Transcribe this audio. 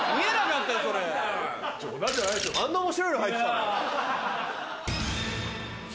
あんな面白いの履いてたの？